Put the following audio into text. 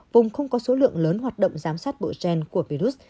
vùng không có số lượng lớn hoạt động giám sát bộ gen của virus